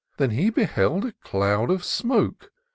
Than he beheld a cloud of smoke.